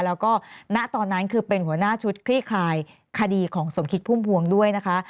แล้วก็ณตอนนั้นคือเป็นหัวหน้าชุดคลี่คลายคดีของสมคิดพุ่มพวงด้วยนะคะ